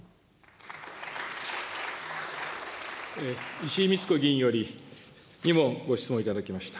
石井苗子議員より２問ご質問を頂きました。